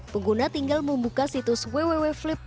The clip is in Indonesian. pengguna tinggal buka situs www flip id